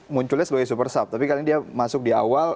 munculnya sebagai super sub tapi karena dia masuk di awal